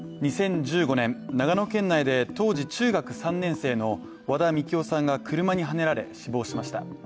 ２０１５年、長野県内で当時中学３年生の和田樹生さんが車にはねられ、死亡しました。